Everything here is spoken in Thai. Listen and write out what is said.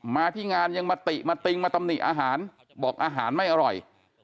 มาที่งานยังมาติมาติงมาตำหนิอาหารบอกอาหารไม่อร่อย